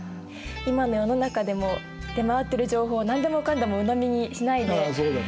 今の世の中でも出回ってる情報何でもかんでもうのみにしないで。